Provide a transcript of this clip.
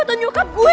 lo kan telakunya